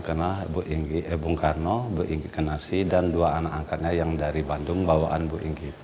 kenal bung karno bu ingki kenarsi dan dua anak angkatnya yang dari bandung bawaan bu ingki